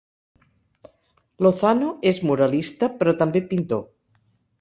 Lozano és muralista, però també pintor.